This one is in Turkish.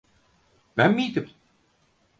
Ben miydim?